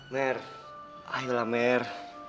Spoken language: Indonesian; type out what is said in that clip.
mer ayolah mer